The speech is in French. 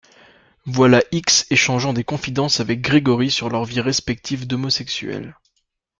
Voilà X échangeant des confidences avec Gregory sur leur vie respective d'homosexuel.